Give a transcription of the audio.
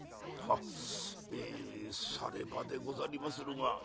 「はっ。えさればでござりまするが」。